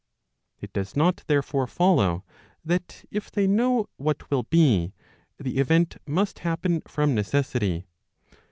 It does* not, therefore, follow that if they know what will be, die event must happen from necessity.